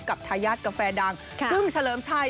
กับท้ายาทกาแฟดังกุ้มเฉลิมชาย